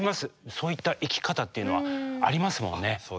そういった生き方っていうのはありますもんね。